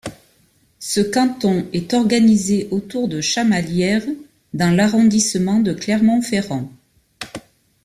Ce canton est organisé autour de Chamalières dans l'arrondissement de Clermont-Ferrand.